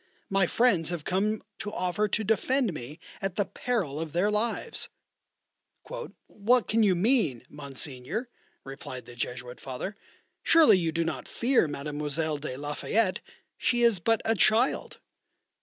My friends have come to offer to defend me at the peril of their lives." "What can you mean, Monseigneur?" replied the Jesuit Father. "Surely you do not fear Mademoiselle de la Fayette? she is but a child."